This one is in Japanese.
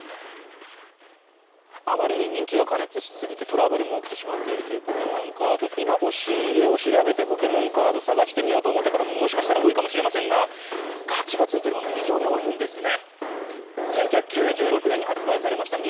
あまりに人気が過熱しすぎてトラブルも起きてしまっているというポケモンカード、今押し入れを調べてポケモンカードを捜してみようと思った方ももしかしたら多いかもしれませんが、価値がついているもの、非常に多いんですね。